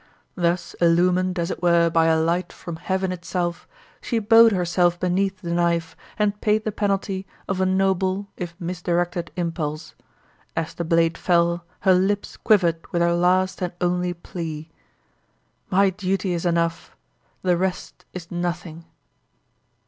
Thus illumined, as it were, by a light from heaven itself, she bowed herself beneath the knife and paid the penalty of a noble, if misdirected, impulse. As the blade fell her lips quivered with her last and only plea: "My duty is enough the rest is nothing!"